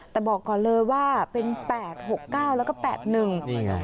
แต่บอกก่อนเลยว่าเป็นแปดหกเก้าแล้วก็แปดหนึ่งนี่ไง